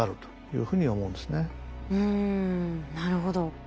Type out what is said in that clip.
うんなるほど。